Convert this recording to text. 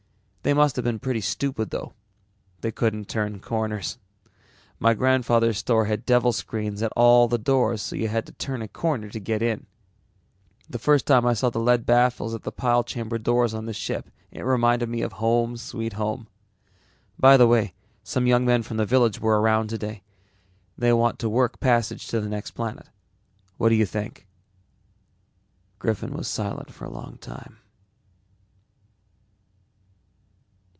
They must have been pretty stupid though; they couldn't turn corners. My grandfather's store had devil screens at all the doors so you had to turn a corner to get in. The first time I saw the lead baffles at the pile chamber doors on this ship it reminded me of home sweet home. By the way, some young men from the village were around today. They want to work passage to the next planet. What do you think?" Griffin was silent for a long time.